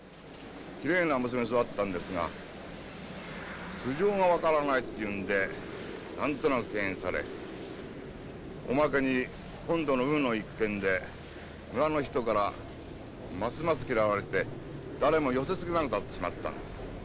きれいな娘に育ったんですが素性が分からないっていうんで何となく敬遠されおまけに今度のウーの一件で村の人からますます嫌われて誰も寄せつけなくなってしまったんです。